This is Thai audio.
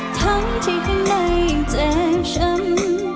ทั้งที่ข้างในยังแจงช้ำ